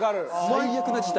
最悪な事態。